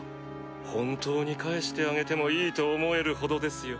本当に返してあげてもいいと思えるほどですよ。